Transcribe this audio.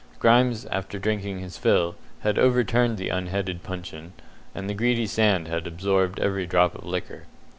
Grimes, after drinking his fill, had overturned the unheaded puncheon, and the greedy sand had absorbed every drop of liquor.